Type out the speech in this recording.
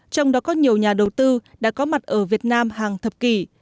trong đó có nhiều nhà đầu tư đã có mặt ở việt nam hàng thập kỷ